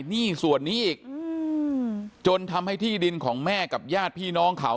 หนี้ส่วนนี้อีกจนทำให้ที่ดินของแม่กับญาติพี่น้องเขา